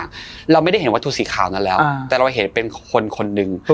เราไม่ได้เห็นวัตถุสีขาวนั้นแล้วแต่เราเห็นเป็นคนคนหนึ่ง